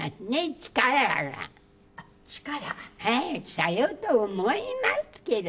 さようと思いますけど。